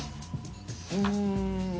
うん。